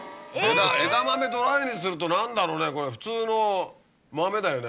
枝豆ドライにすると何だろうねこれ普通の豆だよね